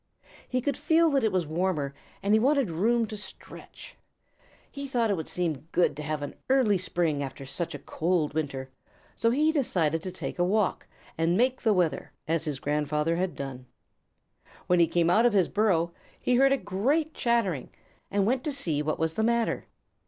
He could feel that it was warmer and he wanted room to stretch. He thought it would seem good to have an early spring after such a cold winter, so he decided to take a walk and make the weather, as his grandfather had done. When he came out of his burrow he heard a great chattering and went to see what was the matter.